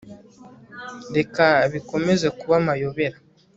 reka bikomeze kuba amayobera